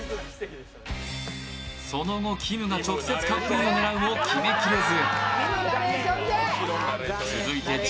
その後、きむが直接カップインを狙うも決めきれず。